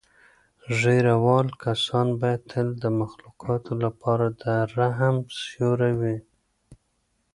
ږیره وال کسان باید تل د مخلوقاتو لپاره د رحمت سیوری وي.